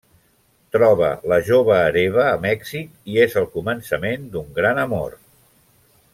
Troba la jove hereva a Mèxic i és el començament d'un gran amor.